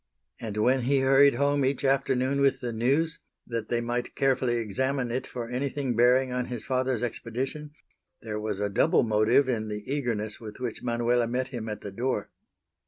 And when he hurried home each afternoon with The News, that they might carefully examine it for anything bearing on his father's expedition, there was a double motive in the eagerness with which Manuela met him at the door.